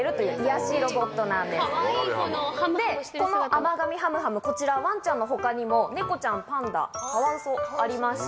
この甘噛みハムハムワンちゃんの他にも猫ちゃんパンダカワウソありまして。